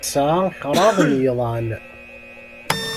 Nesɛa kraḍ n yiḍan.